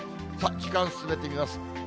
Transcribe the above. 時間進めてみます。